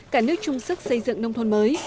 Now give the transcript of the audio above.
cả nước trung sức xây dựng nông thôn mới